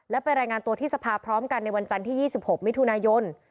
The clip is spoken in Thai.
และไปรายงานตัวที่สภาพร้อมกันในวันจันทร์ที่๒๖มิถุนายน